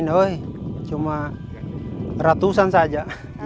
sekarang ini cuma ratusan saja